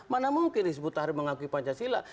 mana mungkin hizbut tahrir mengakui pancasila